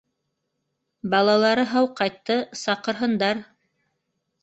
Балалары һау ҡайтты, саҡырһындар.